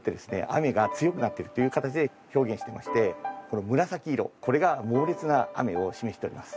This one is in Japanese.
雨が強くなっているという形で表現してましてこの紫色これが猛烈な雨を示しております。